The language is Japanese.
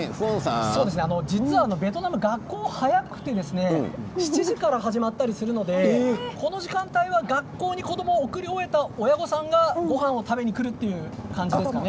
ベトナムの学校は早くて７時から始まったりするのでこの時間帯は学校に子どもを送り終えた親御さんが、ごはんを食べに来るという感じですね。